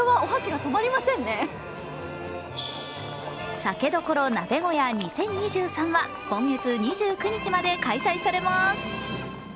酒処鍋小屋２０２３は今月２９日まで開催されます。